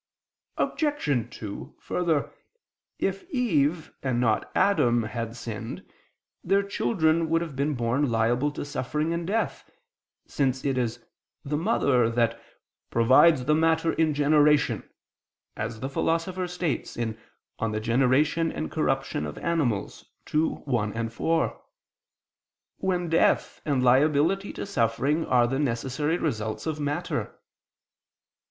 Obj. 2: Further, if Eve, and not Adam, had sinned, their children would have been born liable to suffering and death, since it is "the mother" that "provides the matter in generation" as the Philosopher states (De Gener. Animal. ii, 1, 4), when death and liability to suffering are the necessary results of matter.